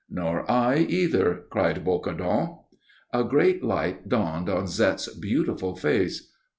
"Nor I, either," cried Bocardon. A great light dawned on Zette's beautiful face.